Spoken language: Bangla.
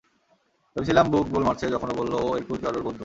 ভেবেছিলাম ব্যুক গুল মারছে যখন ও বলল ও এরকুল পোয়ারোর বন্ধু!